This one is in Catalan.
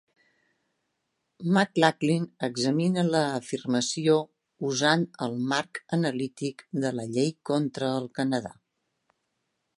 McLachlin examina l'afirmació usant el marc analític de "La llei contra el Canadà".